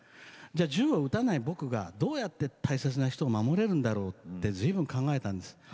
銃を撃たない僕がどうやって大切な人守れるんだろうって随分考えたんです。